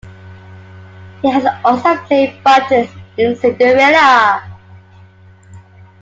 He has also played Buttons in "Cinderella".